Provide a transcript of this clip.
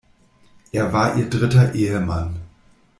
Er war ihr dritter Ehemann.